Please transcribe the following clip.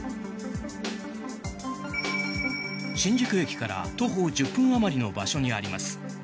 新宿駅から徒歩１０分あまりの場所にあります